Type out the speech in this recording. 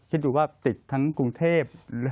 คิดดูว่าติดทั้งกรุงเทพ